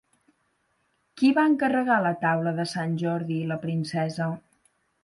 Qui va encarregar la taula de Sant Jordi i la princesa?